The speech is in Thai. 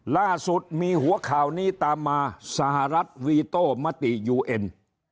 ล่าสุดมีหัวข่าวนี้ตามมาสหรัฐวีโต้มติยูเอ็น